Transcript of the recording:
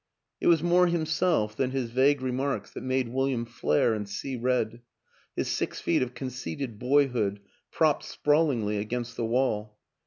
It was more himself than his vague remarks that made William flare and see red his six feet of conceited boyhood propped sprawlingly against the wall.